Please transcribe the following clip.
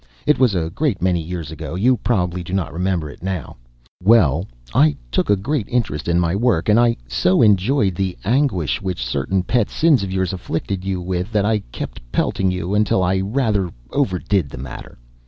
It was a great many years ago. You probably do not remember it now. Well, I took a great interest in my work, and I so enjoyed the anguish which certain pet sins of yours afflicted you with that I kept pelting at you until I rather overdid the matter.